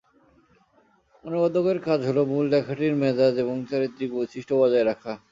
অনুবাদকের কাজ হলো মূল লেখাটির মেজাজ এবং চারিত্রিক বৈশিষ্ট্য বজায় রাখা।